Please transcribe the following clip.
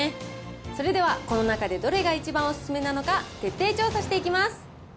それではこの中でどれが一番お勧めなのか、徹底調査していきます